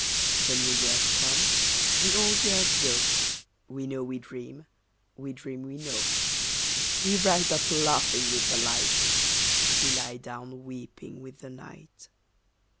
The new years come, the old years go, We know we dream, we dream we know. We rise up laughing with the light, We lie down weeping with the night.